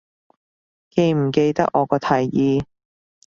記唔記得我個提議